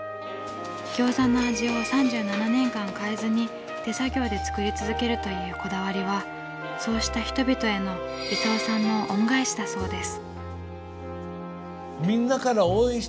餃子の味を３７年間変えずに手作業で作り続けるというこだわりはそうした人々への功さんの恩返しだそうです。